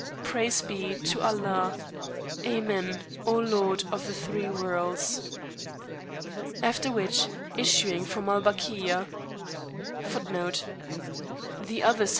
Praise be to Allah! Amen, O Lord of the (three) Worlds! After which, issuing from Al Bakia,[FN#30] we advanced [p.